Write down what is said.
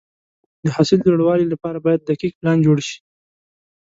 د حاصل د لوړوالي لپاره باید دقیق پلان جوړ شي.